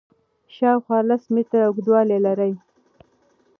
شاوخوا لس متره اوږدوالی لري.